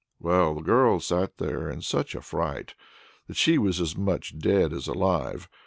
Well, the girl sat there in such a fright that she was as much dead as alive.